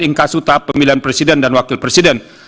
inkasu tahap pemilihan presiden dan wakil presiden